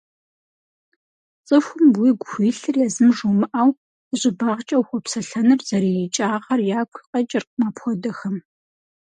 ЦӀыхум уигу хуилъыр езым жумыӀэу, и щӀыбагъкӀэ ухуэпсэлъэныр зэрыикӀагъэр ягу къэкӀыркъым апхуэдэхэм.